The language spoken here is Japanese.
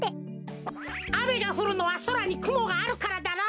あめがふるのはそらにくもがあるからだろ！